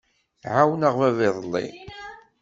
Ɛawneɣ baba iḍelli.